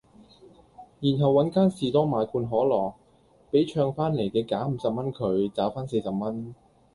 然後搵間士多買罐可樂，比唱翻黎既假五十蚊佢，找番四十蚊